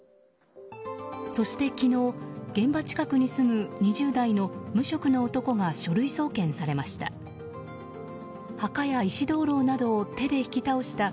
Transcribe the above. そして昨日、現場近くに住む２０代の無職の男が書類送検されました。